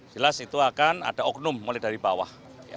jelas itu akan ada oknum mulai dari bawah